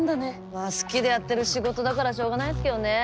まあ好きでやってる仕事だからしょうがないっすけどね。